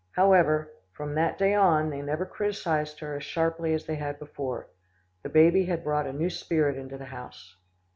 However, from that day on, they never criticised her as sharply as they had before. The baby had brought a new spirit into the house.